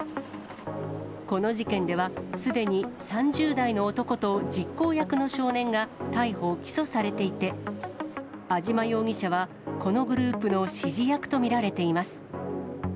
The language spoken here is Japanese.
この事件では、すでに３０代の男と実行役の少年が、逮捕・起訴されていて、安島容疑者は、このグループの指示役と見られています。